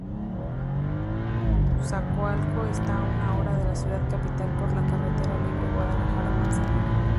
Zacoalco está a una hora de la ciudad capital por la carretera libre Guadalajara-Manzanillo.